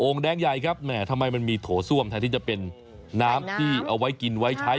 แดงใหญ่ครับแหมทำไมมันมีโถส้วมแทนที่จะเป็นน้ำที่เอาไว้กินไว้ใช้